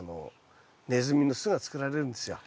ネズミの巣が作られるんですよ。